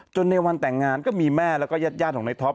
ในวันแต่งงานก็มีแม่แล้วก็ญาติของในท็อป